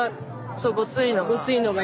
そうゴツいのが。